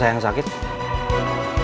satu tingkat sekareng ya